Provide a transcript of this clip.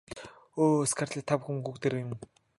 Өө Скарлетт та бүр хүүхдээрээ юм.